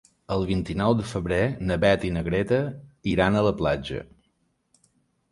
El vint-i-nou de febrer na Beth i na Greta iran a la platja.